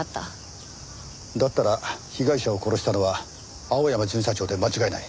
だったら被害者を殺したのは青山巡査長で間違いない。